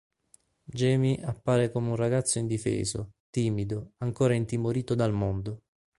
Jamie appare come un ragazzo indifeso, timido, ancora intimorito dal mondo.